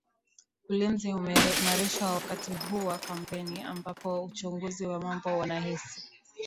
ulinzi umeimarishwa wakati huu wa kampeni ambapo wachunguzi wa mambo wanahisi